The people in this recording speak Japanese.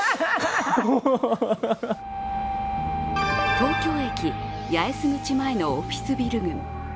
東京駅・八重洲口前のオフィスビル群。